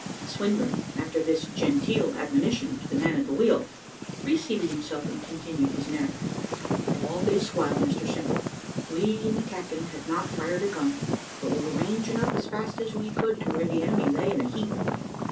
Swinburne, after this genteel admonition to the man at the wheel, reseated himself and continued his narrative. "All this while, Mr Simple, we in the Captain had not fired a gun; but were ranging up as fast as we could to where the enemy lay in a heap.